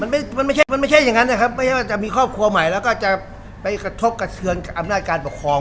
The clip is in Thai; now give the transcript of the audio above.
มันไม่ใช่มันไม่ใช่อย่างนั้นนะครับไม่ใช่ว่าจะมีครอบครัวใหม่แล้วก็จะไปกระทบกระเทือนอำนาจการปกครอง